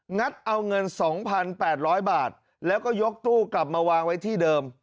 งัดเอาเงินสองพันแปดร้อยบาทแล้วก็ยกตู้กลับมาวางไว้ที่เดิม